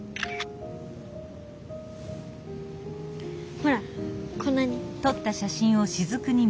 ほらこんなに。